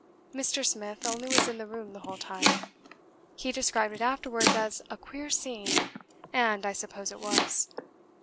Mr. Smith only was in the room the whole time. He described it afterwards as a 'queer scene,' and I suppose it was.